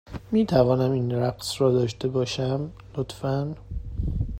می توانم این رقص را داشته باشم، لطفا؟